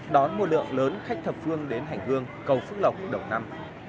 đón một lượng lớn khách thập phương đến hành hương cầu phước lộc đầu năm